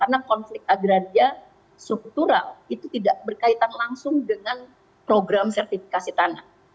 karena konflik agraria struktural itu tidak berkaitan langsung dengan program sertifikasi tanah